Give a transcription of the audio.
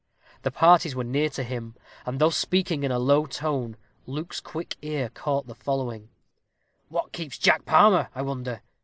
The parties were near to him, and though speaking in a low tone, Luke's quick ear caught the following: "What keeps Jack Palmer, I wonder?"